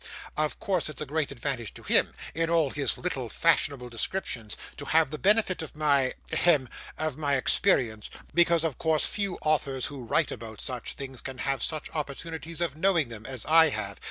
Of course it's a great advantage to him, in all his little fashionable descriptions, to have the benefit of my hem of my experience, because, of course, few authors who write about such things can have such opportunities of knowing them as I have.